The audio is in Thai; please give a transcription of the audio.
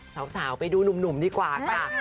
สาวไปดูหนุ่มดีกว่าค่ะ